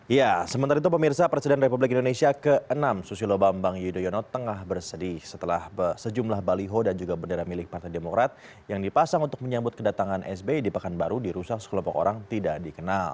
ya sementara itu pemirsa presiden republik indonesia ke enam susilo bambang yudhoyono tengah bersedih setelah sejumlah baliho dan juga bendera milik partai demokrat yang dipasang untuk menyambut kedatangan sby di pekanbaru dirusak sekelompok orang tidak dikenal